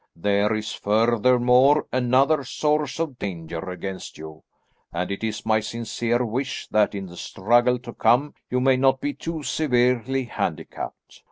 There is furthermore another source of danger against you, and it is my sincere wish that in the struggle to come you may not be too severely handicapped.